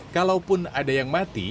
kalaupun ada yang mati